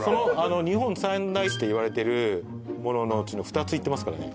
日本三大地といわれてるもののうちの２つ行ってますからね